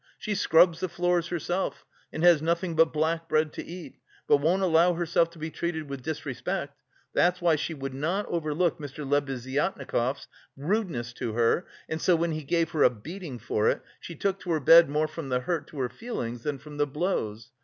She scrubs the floors herself and has nothing but black bread to eat, but won't allow herself to be treated with disrespect. That's why she would not overlook Mr. Lebeziatnikov's rudeness to her, and so when he gave her a beating for it, she took to her bed more from the hurt to her feelings than from the blows.